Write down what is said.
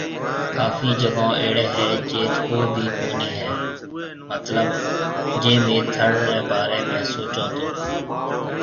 ڪافي جگون اهڙي هي جيٿ ڪو ڀي ڪونهي هي مطلب جي ميهه ٿڙ ري باري ۾ سوچون تو